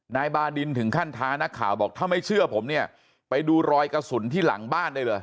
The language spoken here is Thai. นายบาดินถึงขั้นท้านักข่าวบอกถ้าไม่เชื่อผมเนี่ยไปดูรอยกระสุนที่หลังบ้านได้เลย